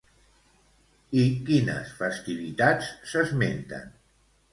I quines festivitats s'esmenten?